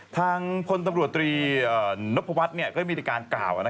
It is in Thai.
ทางพลตำรวจตรีนพวัฒน์ก็ได้มีการกล่าว